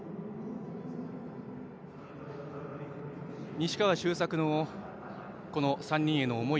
西川周作の３人への思い